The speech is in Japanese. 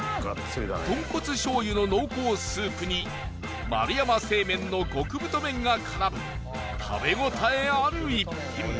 豚骨醤油の濃厚スープに丸山製麺の極太麺が絡む食べ応えある一品